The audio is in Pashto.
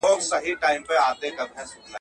نه دېوال نه كنډواله نه قلندر وو.